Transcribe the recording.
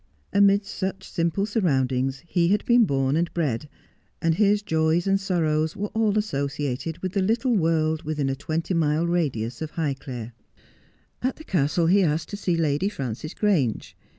Amidst such simple surroundings he had been born and bred, 196 Just as I Am. and his joys and sorrows were all associated with the little world within a twenty mile radius of Highclere. At the castle he asked to see Lady Frances Grange.